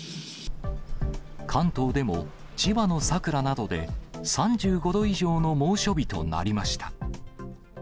関東でも、千葉の佐倉などで、３５度以上の猛暑日となりました。